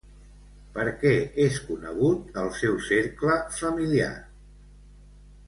Per què és conegut el seu cercle familiar?